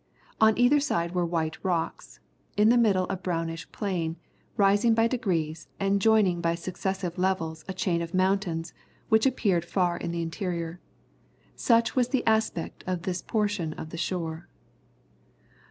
On either side were white rocks; in the middle a brownish plain, rising by degrees, and joining by successive levels a chain of mountains, which appeared far in the interior. Such was the aspect of this portion of the shore.